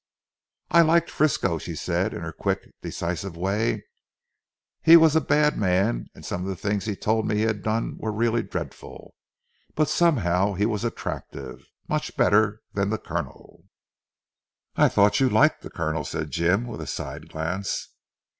"I liked Frisco," she said in her quick decisive way, "he was a bad man and some of the things he told me he had done were really dreadful; but somehow he was attractive. Much better than the Colonel." "I thought you liked the Colonel," said Jim with a side glance.